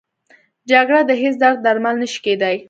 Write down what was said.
جګړه د هېڅ درد درمل نه شي کېدی